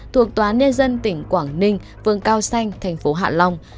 thuộc tòa nhân dân tỉnh quảng ninh vương cao xanh tp hạ long